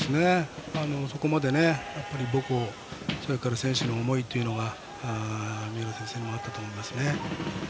そこまで母校、それから選手の思いというのが三浦先生にもあったと思います。